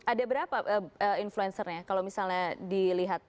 ada berapa influencernya kalau misalnya dilihat